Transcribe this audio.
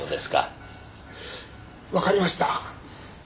わかりました。